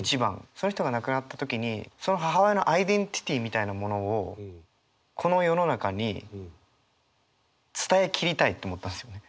その人が亡くなった時にその母親のアイデンティティーみたいなものをこの世の中に伝えきりたいと思ったんですよね。